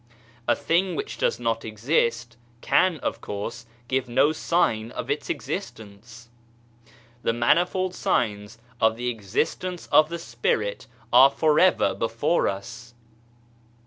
A thing which does not exist, can, of course, give no sign of its existence. The manifold signs of the existence of the Spirit are for ever before us.